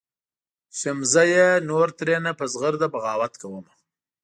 "شمسزیه نور ترېنه په زغرده بغاوت کومه.